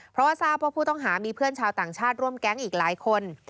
เพราะว่าทราบว่าผู้ต้องหามีเพื่อนชาวต่างชาติร่วมแก๊งอีกหลายคน